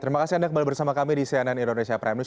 terima kasih anda kembali bersama kami di cnn indonesia prime news